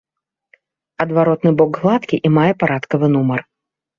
Адваротны бок гладкі і мае парадкавы нумар.